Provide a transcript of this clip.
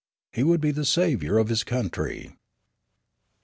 He would be the saviour of his country.